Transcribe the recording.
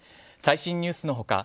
最新ニュースの他